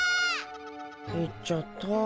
行っちゃった。